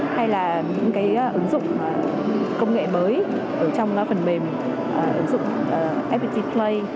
hay là những cái ứng dụng công nghệ mới ở trong phần mềm ứng dụng ftplay